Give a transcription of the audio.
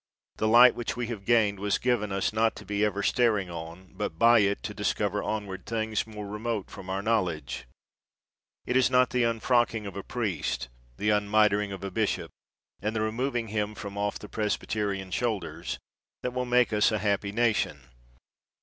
The light which we have gained was given us, not to be ever staring on, but by it to discover onward things more remote from our knowledge. It is not the unfrocking of a priest, the unmitering of a bishop, and the removing him from off the Presbyterian shoulders, that will make us a happy nation.